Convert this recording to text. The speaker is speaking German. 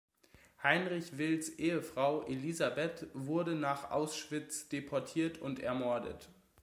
Heinrich Wills Ehefrau Elisabeth wurde nach Auschwitz deportiert und ermordet.